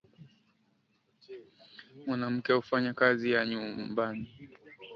Mwanamke hufanya kazi ya nyumba.